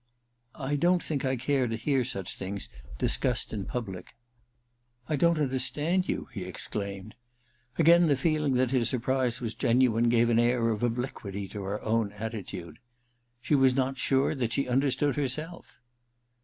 *I don't think I care to hear such things discussed in public' *I don't understand you,* he exclaimed. Again the feeling that his surprise was genuine gave an air of obliquity to her own attitude. She was not sure that she understood herself.